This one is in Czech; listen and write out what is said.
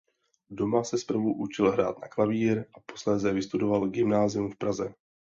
Doma se zprvu učil hrát na klavír a posléze vystudoval gymnázium v Praze.